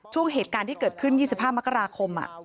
ช่วงเหตุการณ์ที่เกิดขึ้น๒๕มกราคม